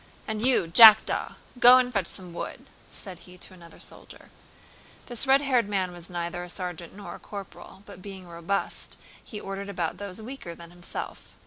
"And you, Jackdaw, go and fetch some wood!" said he to another soldier. This red haired man was neither a sergeant nor a corporal, but being robust he ordered about those weaker than himself.